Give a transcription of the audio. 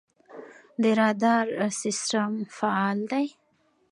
د رادار سیستم فعال دی؟